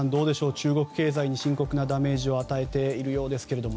中国経済に深刻なダメージを与えているようですが。